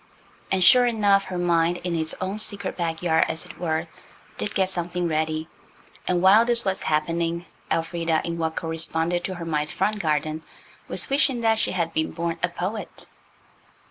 And sure enough, her mind, in its own secret backyard, as it were, did get something ready. And while this was happening Elfrida, in what corresponded to her mind's front garden, was wishing that she had been born a poet.